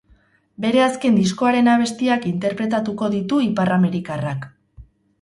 Bere azken diskoaren abestiak interpretatuko ditu iparramerikarrak.